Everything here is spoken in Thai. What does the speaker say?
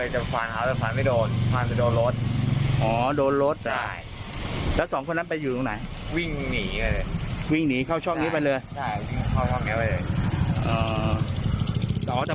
อ๋อจะไม่โดนฟันใช่ไหม